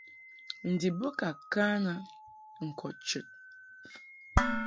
Ndib bo ka kan a ŋkɔd chəd.